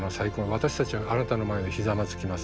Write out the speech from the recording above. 「私たちはあなたの前でひざまずきます」。